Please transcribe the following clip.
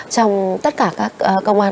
trong tất cả các công an